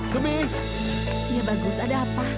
dia bagus ada apa